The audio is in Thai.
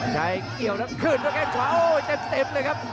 ใจเกี่ยวแล้วคืนด้วยแค่งขวาโอ้เต็มเลยครับ